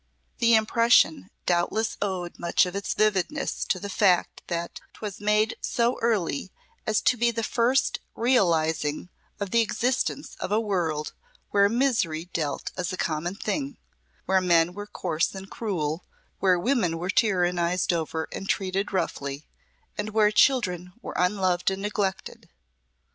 The impression doubtless owed much of its vividness to the fact that 'twas made so early as to be the first realising of the existence of a world where misery dwelt as a common thing, where men were coarse and cruel, where women were tyrannised over and treated roughly, and where children were unloved and neglected.